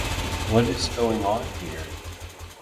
What is going on here?